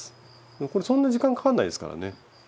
これそんな時間かかんないですからね。